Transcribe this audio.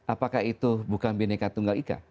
apakah itu bukan bineka tunggal ika